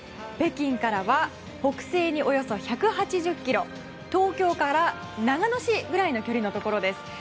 北京からは北西におよそ１８０ｋｍ東京から長野市ぐらいの距離にあるところです。